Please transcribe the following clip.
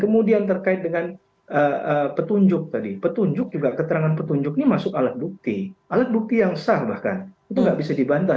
kemudian terkait dengan petunjuk tadi petunjuk juga keterangan petunjuk ini masuk alat bukti alat bukti yang sah bahkan itu nggak bisa dibantah